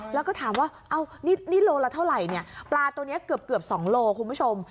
แล้วก็ถามว่านี่โลละเท่าไหร่เนี่ยปลาตัวนี้เกือบ๒โลคุณผู้ชม